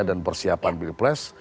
dan persiapan pilpres